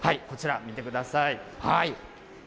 こちら見てください。